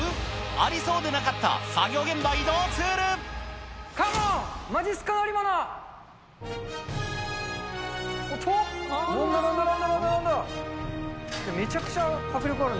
ありそうでなかった作業現場移動ツール。